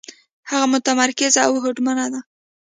هغه متمرکزه او هوډمنه ده.